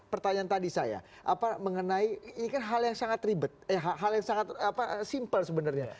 pertanyaan tadi saya mengenai ini kan hal yang sangat ribet hal yang sangat simpel sebenarnya